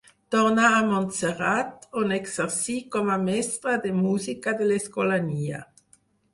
Tornà a Montserrat, on exercí com a mestre de música de l'Escolania.